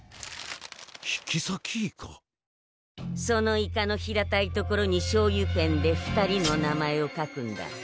そのイカの平たいところにしょうゆペンで２人の名前を書くんだ。